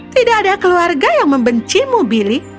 tidak ada keluarga yang membencimu billy